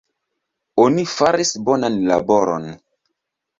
Oni faris bonan laboron.